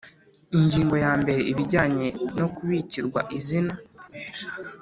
Ingingo yambere Ibijyanye no kubikirwa izina